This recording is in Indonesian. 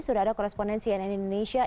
sudah ada koresponensi yang di indonesia